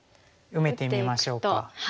埋めてみましょうか。